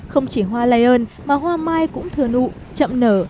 không chỉ hoa lion mà hoa mai cũng thừa nụ chậm nở